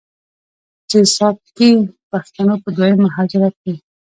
چې ساکي پښتنو په دویم مهاجرت کې،